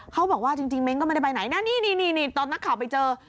เขาบอกว่าจริงเม้งก็ไม่ได้ไปไหนนะนี่ตอนนักข่าวไปเจอ